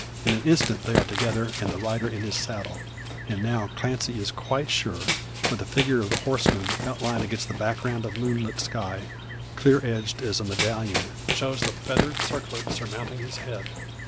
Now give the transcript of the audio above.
In an instant they are together, and the rider in his saddle. And now Clancy is quite sure: for the figure of the horseman, outlined against the background of moonlit sky, clear edged as a medallion, shows the feathered circlet surmounting his head.